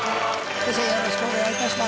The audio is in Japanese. よろしくお願いします。